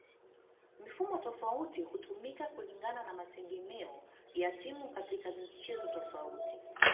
Mifumo tofauti hutumika kulingana na mategemeo ya timu katika mchezo fulani